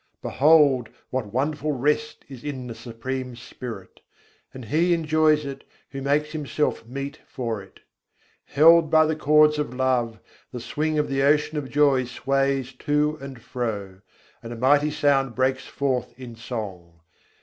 Behold what wonderful rest is in the Supreme Spirit! and he enjoys it, who makes himself meet for it. Held by the cords of love, the swing of the Ocean of Joy sways to and fro; and a mighty sound breaks forth in song.